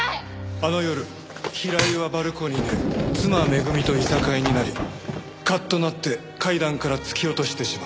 あの夜平井はバルコニーで妻めぐみといさかいになりカッとなって階段から突き落としてしまった。